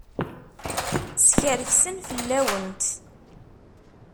Skerksen fell-awent.